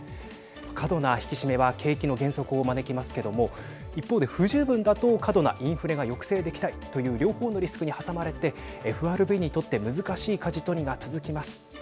過度な引き締めは景気の減速を招きますけども一方で不十分だと過度なインフレが抑制できないという両方のリスクに挟まれてＦＲＢにとって難しい、かじ取りが続きます。